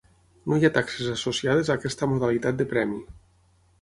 No hi ha taxes associades a aquesta modalitat de Premi.